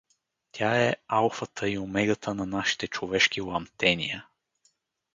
Тя е алфата и омегата на нашите човешки ламтения.